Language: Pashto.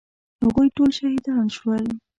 هغوی ټول شهیدان شول.